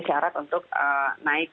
syarat untuk naik